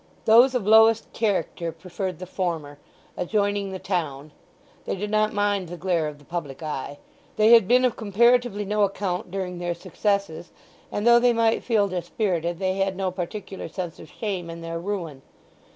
Those of lowest character preferred the former, adjoining the town; they did not mind the glare of the public eye. They had been of comparatively no account during their successes; and though they might feel dispirited, they had no particular sense of shame in their ruin.